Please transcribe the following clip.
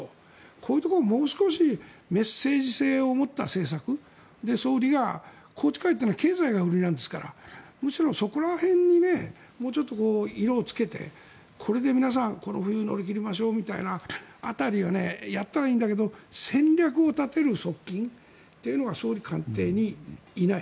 こういうところをもう少しメッセージ性を持った政策宏池会というのは経済が売りなんですからむしろ、そこら辺にもうちょっと色をつけてこれで皆さんこの冬を乗り切りましょう辺りをやったらいいんだけど戦略を立てる側近というのが総理官邸にいない。